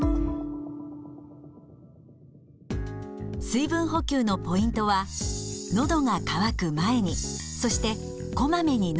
水分補給のポイントはのどが渇く前にそしてこまめに飲むことです。